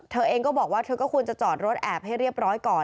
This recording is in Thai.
เธอเองก็บอกว่าเธอก็ควรจะจอดรถแอบให้เรียบร้อยก่อน